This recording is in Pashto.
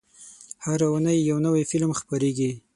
هره اونۍ یو نوی فلم خپرېږي.